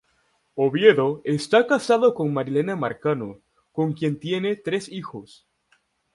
Oviedo está casado con Marianela Marcano, con quien tiene tres hijos.